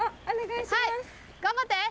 頑張って！